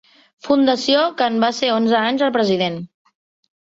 Fundació que en va ser onze anys el President.